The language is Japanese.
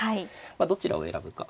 どちらを選ぶか。